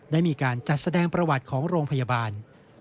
ได้มีการจัดแสดงประวัติของโรงพยาบาล